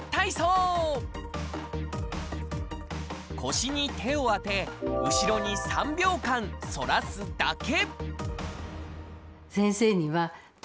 腰に手を当て後ろに３秒間反らすだけ！